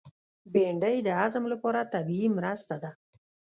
بېنډۍ د هضم لپاره طبیعي مرسته ده